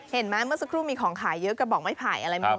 เห็นมั้ยเมื่อสักครู่มีของขายเยอะกระบองไม่ผ่ายอะไรมั้ง